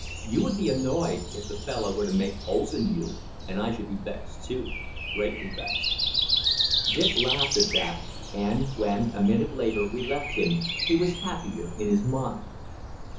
You would be annoyed if the fellow were to make holes in you, and I should be vexed too; greatly vexed." Dick laughed at that, and when, a minute later, we left him, he was happier in his mind.